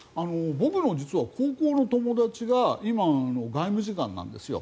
僕の高校の友達が今の外務次官なんですよ。